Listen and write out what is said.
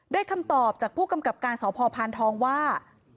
คำตอบจากผู้กำกับการสพพานทองว่า